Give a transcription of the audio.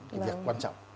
cái việc quan trọng